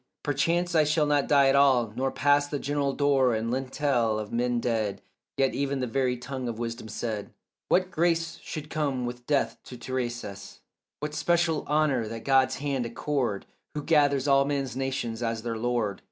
Perchance I shall not die at all, nor pass The general door and lintel of men dead; Yet even the very tongue of wisdom said What grace should come with death to Tiresias, What special honour that God's hand accord Who gathers all men's nations as their lord.